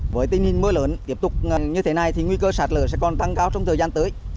với tình hình mưa lớn tiếp tục như thế này thì nguy cơ sạt lở sẽ còn tăng cao trong thời gian tới